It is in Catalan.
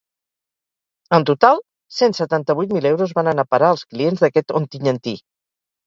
En total, cent setanta-vuit mil euros van anar a parar als clients d’aquest ontinyentí.